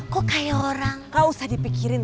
kok kayak orang lain